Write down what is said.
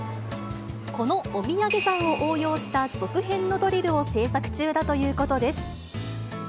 このおみやげ算を応用した続編のドリルを制作中だということです。